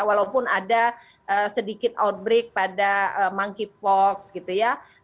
walaupun ada sedikit outbreak pada monkeypox gitu ya